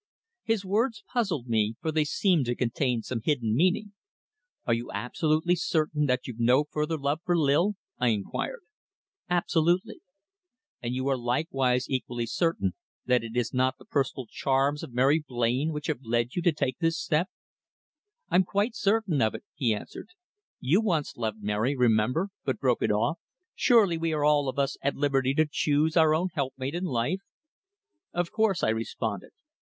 His words puzzled me, for they seemed to contain some hidden meaning. "Are you absolutely certain that you've no further love for Lil?" I inquired. "Absolutely." "And you are likewise equally certain that it is not the personal charms of Mary Blain which have led you to take this step?" "I'm quite certain of it," he answered. "You once loved Mary, remember, but broke it off. Surely we are all of us at liberty to choose our own helpmate in life?" "Of course," I responded.